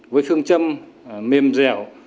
với phương châm mềm dẻo